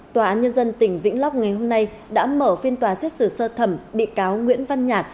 tòa án nhân dân tỉnh vĩnh long ngày hôm nay đã mở phiên tòa xét xử sơ thẩm bị cáo nguyễn văn nhạt